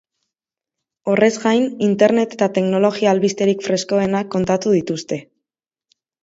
Horrez gain, internet eta teknologia albisterik freskoenak kontatu dituzte.